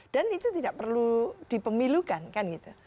dan itu tidak perlu dipemilukan kan gitu